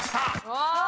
うわ！